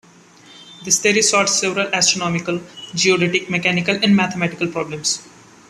This theory solved several astronomical, geodetic, mechanical and mathematical problems.